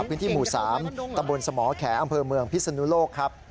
พื้นที่หมู่๓ตำบลสมแขอำเภอเมืองพิศนุโลกครับ